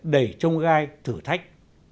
đầy trông gai thử thách